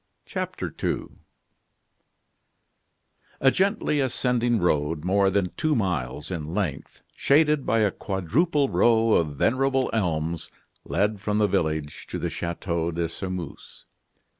CHAPTER II A gently ascending road, more than two miles in length, shaded by a quadruple row of venerable elms, led from the village to the Chateau de Sairmeuse.